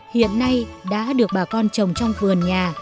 hiện nay đã được bà con trồng trong vườn nhà